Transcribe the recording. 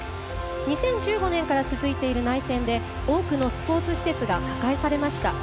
２０１５年から続いている内戦で多くのスポーツ施設が破壊されました。